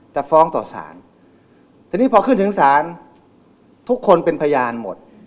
จะฟ้องต่อสารทีนี้พอขึ้นถึงศาลทุกคนเป็นพยานหมด